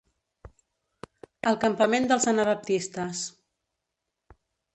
El campament dels anabaptistes.